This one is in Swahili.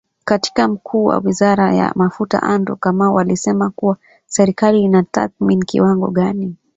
Katibu Mkuu wa Wizara ya Mafuta Andrew Kamau alisema kuwa serikali inatathmini kiwango gani